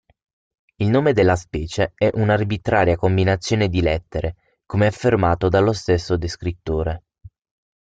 Il nome della specie è un'arbitraria combinazione di lettere, come affermato dallo stesso descrittore.